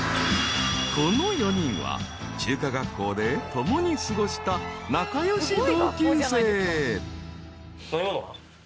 ［この４人は中華学校で共に過ごした仲良し同級生］